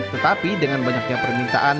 tetapi dengan banyaknya permintaan